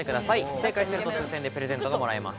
正解すると抽選でプレゼントがもらえます。